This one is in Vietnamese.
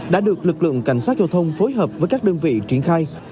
đã được lực lượng cảnh sát giao thông phối hợp với các đơn vị triển khai